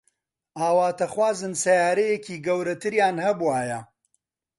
ئاواتەخوازن سەیارەیەکی گەورەتریان هەبوایە.